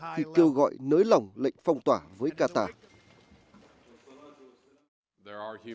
khi kêu gọi nới lỏng lệnh phong tỏa với qatar